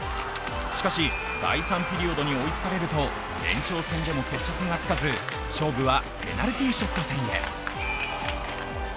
しかし、第３ピリオドに追いつかれると延長戦でも決着がつかず勝負はペナルティーショット戦へ。